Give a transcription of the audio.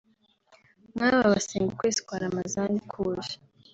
nk’aba basenga ukwezi kwa Ramazani kuje